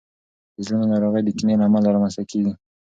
د زړونو ناروغۍ د کینې له امله رامنځته کیږي.